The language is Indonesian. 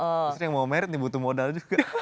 justru yang mau merit nih butuh modal juga